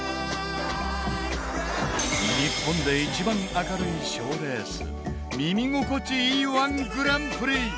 日本でいちばん明るい賞レース、「耳心地いい−１グランプリ」。